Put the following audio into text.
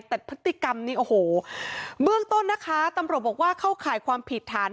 แต่พฤติกรรมนี้โอ้โหเบื้องต้นนะคะตำรวจบอกว่าเข้าข่ายความผิดฐาน